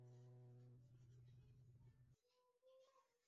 韦唯的父亲在中国铁道部工作。